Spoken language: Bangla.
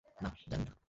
নাহ, জানিনা।